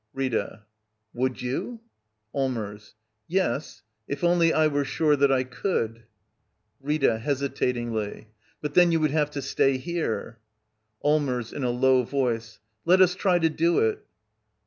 Rita. Would you? Allmers. Yes — if only I were sure that I could. Rita. [Hesitatingly.] But then you would have to stay here. ^ Allmers. [In a low voice.] Let us try to do it.